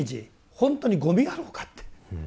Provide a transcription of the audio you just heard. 本当にゴミだろうかって。